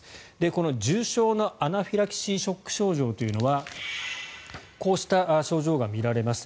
この重症のアナフィラキシーショック症状というのはこうした症状が見られます。